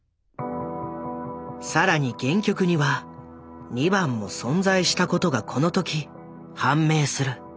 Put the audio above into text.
更に原曲には２番も存在したことがこの時判明する。